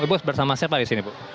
ibu bersama siapa di sini bu